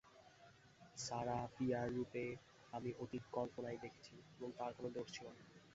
Sarah Fear রুপে আমি অতীত কল্পনায় দেখেছি, এবং তার কোন দোষ ছিল না।